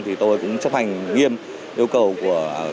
thì tôi cũng chấp hành nghiêm yêu cầu của